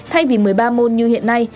thay vì một mươi ba môn như hiện nay